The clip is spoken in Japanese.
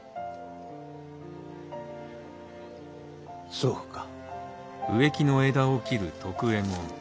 そうか。